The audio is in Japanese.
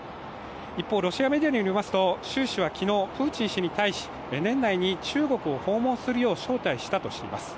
一方、ロシアメディアによりますと習氏は昨日、プーチン氏に対し、中国を訪問するよう招待したとしています。